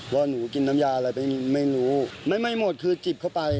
ว่าหนูกินน้ำยาอะไรไม่รู้ไม่ไม่หมดคือจิบเข้าไป